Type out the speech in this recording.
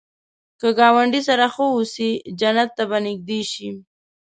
که ګاونډي سره ښه اوسې، جنت ته به نږدې شې